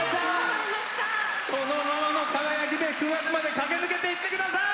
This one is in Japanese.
そのままの輝きで９月まで駆け抜けていってください！